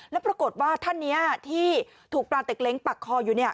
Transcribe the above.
แล้วปรากฏว่าท่านนี้ที่ถูกปลาเต็กเล้งปักคออยู่